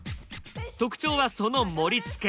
特徴はその盛り付け！